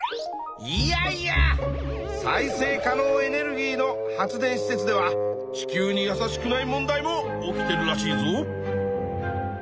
いやいや再生可能エネルギーの発電施設では地球に優しくない問題も起きてるらしいぞ！